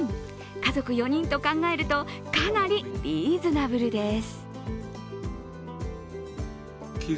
家族４人と考えると、かなりリーズナブルです。